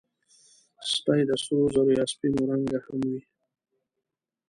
سپي د سرو زرو یا سپینو رنګه هم وي.